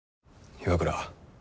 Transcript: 岩倉。